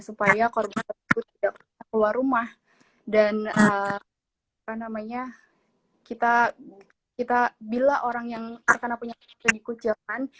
supaya kalau kita tersebut tidak keluar rumah